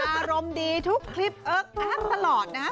อารมณ์ดีทุกคลิปเอิ๊กอักตลอดนะฮะ